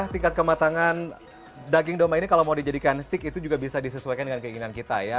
tingkat kematangan daging domba ini kalau mau dijadikan stick itu juga bisa disesuaikan dengan keinginan kita ya